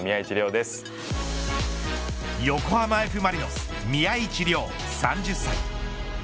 横浜Ｆ・マリノス宮市亮３０歳。